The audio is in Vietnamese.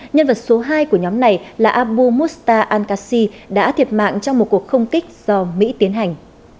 nhân vật số hai của nhóm này là abu mustafa al qassi đã thiệt mạng trong một cuộc không kích do mỹ tiến hành